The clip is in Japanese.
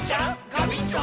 ガビンチョ！